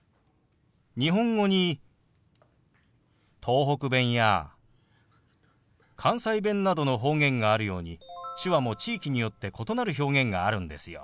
日本語に東北弁や関西弁などの方言があるように手話も地域によって異なる表現があるんですよ。